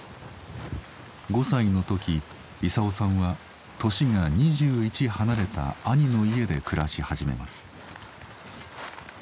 ５歳の時勲さんは年が２１離れた兄の家で暮らし始めます。